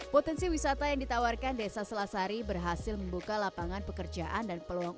potensi wisata yang ditawarkan desa selasari berhasil membuka lapangan pekerjaan dan peluang